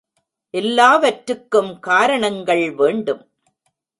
எல்லாவற்றுக்கும் காரணங்கள் வேண்டும்.